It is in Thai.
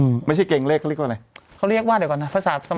ไม่ใช่เกงเลขเขาเรียกว่าอะไรเขาเรียกว่าเดี๋ยวก่อนนะภาษา